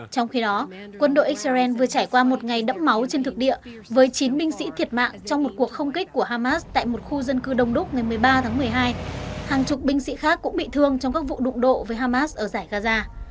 trong khi đó quân đội israel vừa trải qua một ngày đẫm máu trên thực địa với chín binh sĩ thiệt mạng trong một cuộc không kích của hamas tại một khu dân cư đông đúc ngày một mươi ba tháng một mươi hai hàng chục binh sĩ khác cũng bị thương trong các vụ đụng độ với hamas ở giải gaza